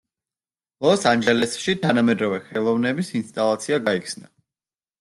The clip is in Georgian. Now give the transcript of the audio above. ლოს ანჯელესში თანამედროვე ხელოვნების ინსტალაცია გაიხსნა.